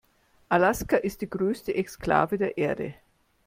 Alaska ist die größte Exklave der Erde.